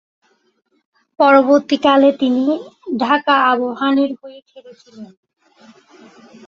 পরবর্তীকালে, তিনি ঢাকা আবাহনীর হয়ে খেলেছেন।